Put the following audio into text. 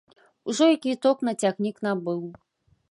Ужо і квіток на цягнік набыў.